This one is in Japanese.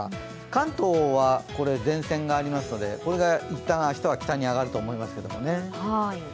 関東は前線がありますので、これがいったん明日は北に上がると思いますけどね。